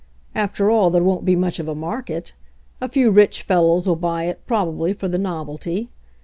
After all, there won't be much of a market — a few rich f ellows'll buy it, proba bly, for the novelty.